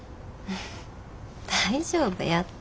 大丈夫やって。